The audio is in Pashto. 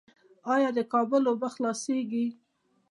آیا د کابل اوبه خلاصیږي؟